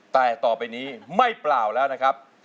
แต่ต่อไปนี้ไม่เปล่าแล้วนะครับ